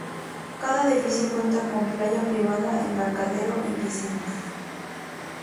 Cada edificio cuenta con playa privada, embarcadero y piscinas.